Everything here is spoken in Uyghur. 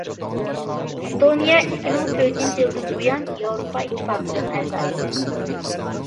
ئېستونىيە ئىككى مىڭ تۆتىنچى يىلىدىن بۇيان ياۋروپا ئىتتىپاقىنىڭ ئەزاسى.